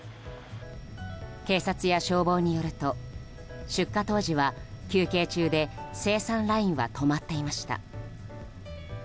警察や消防によると、出火当時は休憩中で生産ラインは止まっていました。